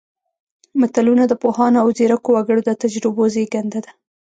متلونه د پوهانو او ځیرکو وګړو د تجربو زېږنده ده